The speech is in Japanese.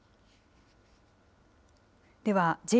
では